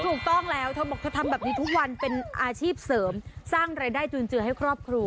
ถูกต้องแล้วเธอบอกเธอทำแบบนี้ทุกวันเป็นอาชีพเสริมสร้างรายได้จุนเจือให้ครอบครัว